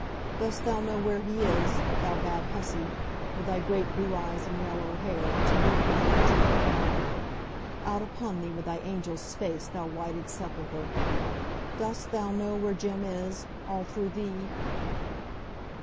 Dost thou know where he is, thou bad hussy, with thy great blue eyes and yellow hair, to lead men on to ruin? Out upon thee, with thy angel's face, thou whited sepulchre! Dost thou know where Jem is, all through thee?"